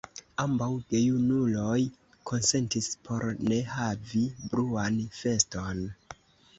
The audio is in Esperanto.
Ambaŭ gejunuloj konsentis por ne havi bruan feston.